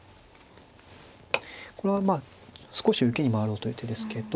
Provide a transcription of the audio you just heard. これはまあ少し受けに回ろうという手ですけど。